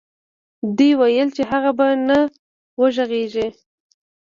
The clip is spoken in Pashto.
دوی ويل چې هغه به نه وغږېږي.